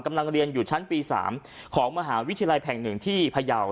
กำลังเรียนอยู่ชั้นปี๓ของมหาวิทยาลัยแห่ง๑ที่พยาว